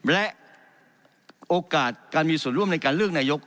และโอกาสการมีส่วนร่วมในการเลือกนายก